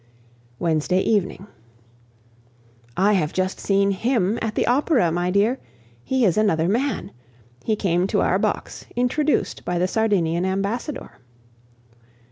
Wednesday evening. I have just seen him at the Opera, my dear; he is another man. He came to our box, introduced by the Sardinian ambassador.